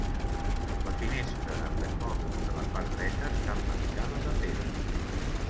La finestra de permòdols de la part dreta està emmarcada de pedra.